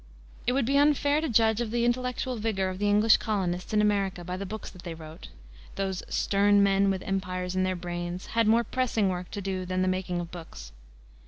It would be unfair to judge of the intellectual vigor of the English colonists in America by the books that they wrote; those "stern men with empires in their brains" had more pressing work to do than the making of books.